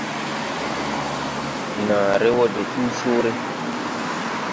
Nããre wɔ de ndu coore.